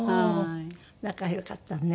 仲良かったのね。